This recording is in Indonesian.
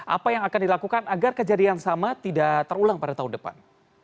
apa yang akan dilakukan agar kejadian sama tidak terulang pada tahun depan